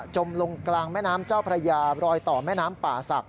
มลงกลางแม่น้ำเจ้าพระยารอยต่อแม่น้ำป่าศักดิ